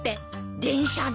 電車で？